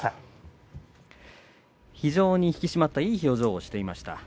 引き締まったいい表情をしていました。